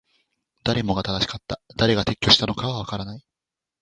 誰もが正しかった。誰が撤去したのかはわからない。